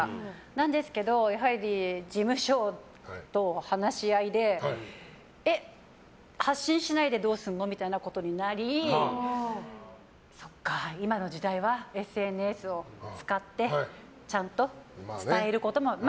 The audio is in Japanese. なんですけどやはり事務所との話し合いで発信しないでどうするの？みたいなことになりそっか、今の時代はＳＮＳを使ってちゃんと伝えることも。